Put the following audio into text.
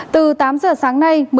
từ tám giờ sáng nay